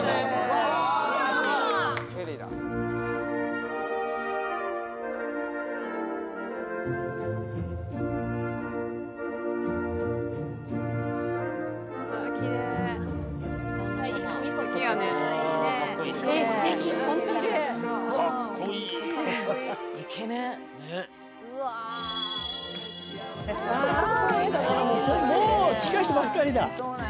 もう近い人ばっかりだ。